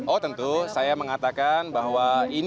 oh tentu saya mengatakan bahwa ini